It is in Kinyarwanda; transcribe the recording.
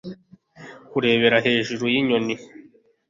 Kurebera hejuru yinyoni